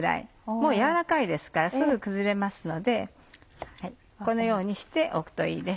もう柔らかいですからすぐ崩れますのでこのようにしておくといいです。